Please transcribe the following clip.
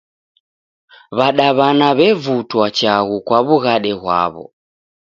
W'adaw'ana w'evutwa chaghu kwa wughade ghw'o